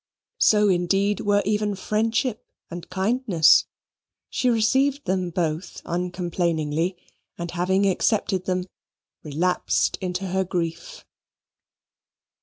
So, indeed, were even friendship and kindness. She received them both uncomplainingly, and having accepted them, relapsed into her grief.